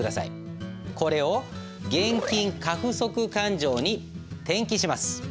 これを現金過不足勘定に転記します。